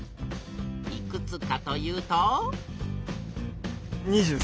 いくつかというとお！